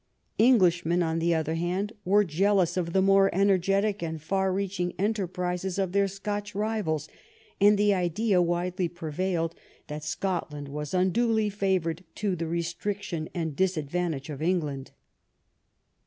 Englishmen^ on the other hand, were jealous of the more energetic and far reaching enterprises of their Scotch rivals, and the idea widely prevailed that Scotland was unduly favored to the restriction and disadvantage of England.